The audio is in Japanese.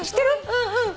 うんうん。